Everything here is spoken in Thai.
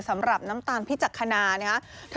สำหรับน้ำตาลพิจักษณานะครับ